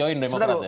ya itu benar